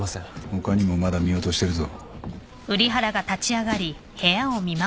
他にもまだ見落としてるぞ。